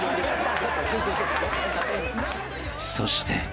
［そして］